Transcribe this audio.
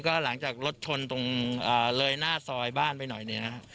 ก็หลังจากรถชนตรงเลยหน้าซอยบ้านไปหน่อยเนี่ยนะฮะ